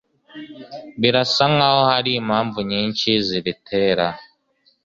Birasa nkaho hari impamvu nyinshi zibitera